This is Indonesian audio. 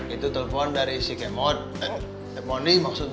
itu telpon dari si kemot eh maudie maksudnya